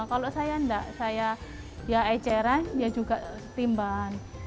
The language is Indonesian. kalau saya enggak saya ya eceran ya juga timban